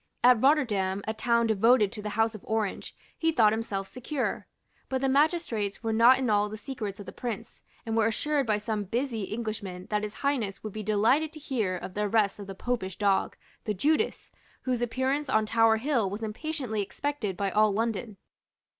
At Rotterdam, a town devoted to the House of Orange, he thought himself secure. But the magistrates were not in all the secrets of the Prince, and were assured by some busy Englishmen that His Highness would be delighted to hear of the arrest of the Popish dog, the Judas, whose appearance on Tower Hill was impatiently expected by all London.